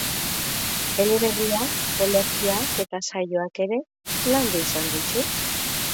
Eleberriak, olerkiak eta saioak ere landu izan ditu.